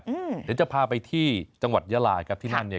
เดี๋ยวจะพาไปที่จังหวัดยาลาครับที่นั่นเนี่ย